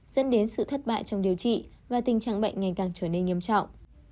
dẫn đến sự thất bại trong điều trị và tình trạng bệnh ngày càng trở nên nghiêm trọng